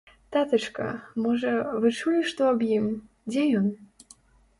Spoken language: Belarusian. Татачка, можа, вы чулі што аб ім, дзе ён?